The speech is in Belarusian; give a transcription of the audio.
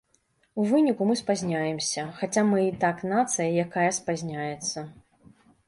У выніку мы спазняемся, хаця мы і так нацыя, якая спазняецца.